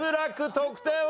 得点は？